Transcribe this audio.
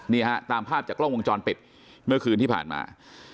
นี่ฮะตามภาพจากกล้องวงจรปิดเมื่อคืนที่ผ่านมา